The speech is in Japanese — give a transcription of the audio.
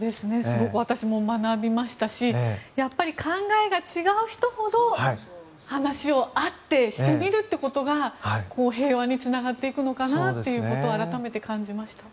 私も学びましたしやっぱり考えが違う人ほど話し合ってみるということが平和につながっていくのかなということを改めて感じました。